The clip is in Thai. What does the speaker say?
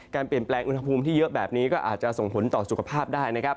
เปลี่ยนแปลงอุณหภูมิที่เยอะแบบนี้ก็อาจจะส่งผลต่อสุขภาพได้นะครับ